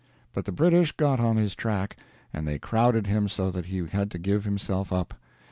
But the British got on his track, and they crowded him so that he had to give himself up.